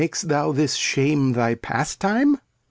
Mak'st thou this Shame thy Pastime?